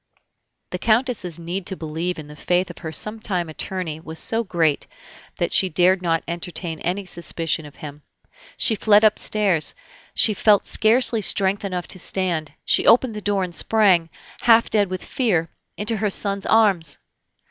The Countess's need to believe in the faith of her sometime attorney was so great, that she dared not entertain any suspicion of him. She fled upstairs; she felt scarcely strength enough to stand; she opened the door, and sprang, half dead with fear, into her son's arms.